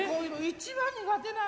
一番苦手なん？